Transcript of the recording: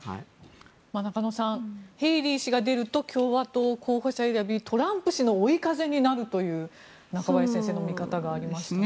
中野さんヘイリー氏が出ると共和党候補者選びでトランプ氏の追い風になるという中林先生の見方がありましたね。